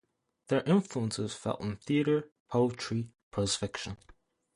Their influence was felt in theatre, poetry, prose fiction.